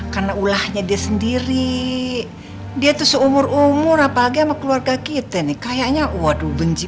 karena ulahnya dia sendiri dia tuh seumur umur apa aja keluarga kita nih kayaknya waduh benci